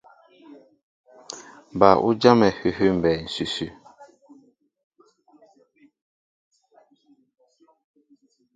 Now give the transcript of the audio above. Ba' ú jámɛ hʉhʉ́ mbɛɛ ǹsʉsʉ.